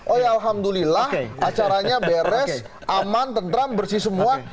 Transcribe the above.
oh ya alhamdulillah acaranya beres aman tentram bersih semua